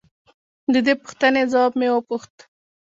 د دې پوښتنې ځواب مې وپوښت.